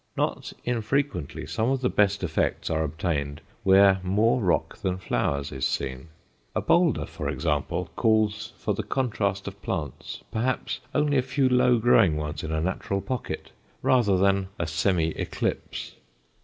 Not infrequently some of the best effects are obtained where more rock than flowers is seen. A boulder, for example, calls for the contrast of plants, perhaps only a few low growing ones in a natural pocket, rather than a semi eclipse.